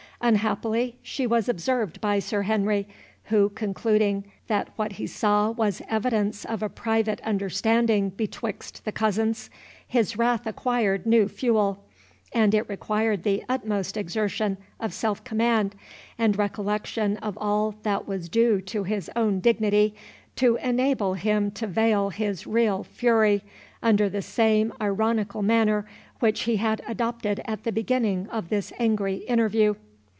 Unhappily, she was observed by Sir Henry, who, concluding that what he saw was evidence of a private understanding betwixt the cousins, his wrath acquired new fuel, and it required the utmost exertion of self command, and recollection of all that was due to his own dignity, to enable him to veil his real fury under the same ironical manner which he had adopted at the beginning of this angry interview.